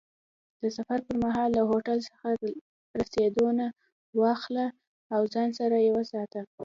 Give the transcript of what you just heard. د سفر پر مهال له هوټل څخه رسیدونه واخله او ځان سره یې وساته.